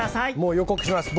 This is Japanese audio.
予告します。